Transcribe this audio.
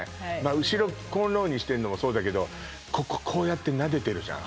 後ろコーンロウにしてるのもそうだけどこここうやってなでてるじゃん